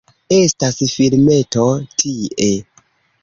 Estas filmeto tie